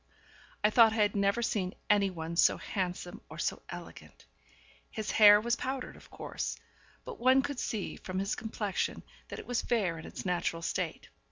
I thought I had never seen any one so handsome or so elegant. His hair was powdered, of course, but one could see from his complexion that it was fair in its natural state.